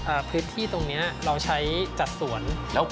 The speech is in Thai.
อ่าพืชที่ตรงนี้เราใช้จัดสวน